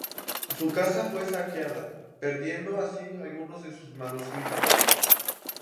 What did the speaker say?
Su casa fue saqueada, perdiendo así algunos de sus manuscritos.